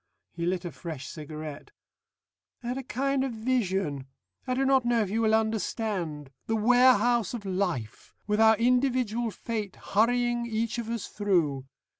He lit a fresh cigarette. "I had a kind of vision. I do not know if you will understand. The Warehouse of Life, with our Individual Fate hurrying each of us through.